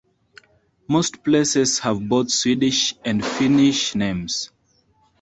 Most places have both Swedish and Finnish names.